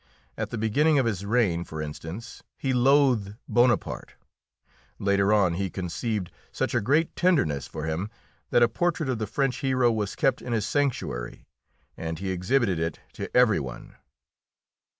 At the beginning of his reign, for instance, he loathed Bonaparte. Later on he conceived such a great tenderness for him that a portrait of the French hero was kept in his sanctuary and he exhibited it to every one.